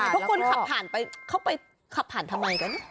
พวกคุณขับผ่านไปเข้าไปขับผ่านทำไมกัน